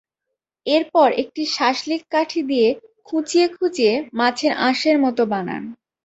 এরপর একটি শাসলিক কাঠি দিয়ে খুঁচিয়ে খুঁচিয়ে মাছের আঁশের মতো বানান।